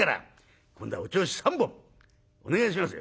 今度はおちょうし３本お願いしますよ」。